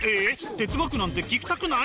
哲学なんて聞きたくない？